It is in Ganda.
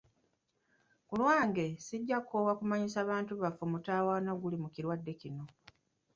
Kulwange, sijja kukoowa kumanyisa bantu baffe omutawaana oguli mu kirwadde kino.